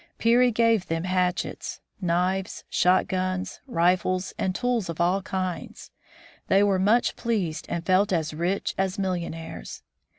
Peary gave them hatchets, knives, shot guns, rifles, and tools of all kinds. They were much pleased and felt as rich as millionaires.